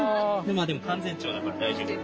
でも完全長だから大丈夫。